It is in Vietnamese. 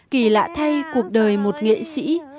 kỳ lạ thay cuộc đời một nghệ sĩ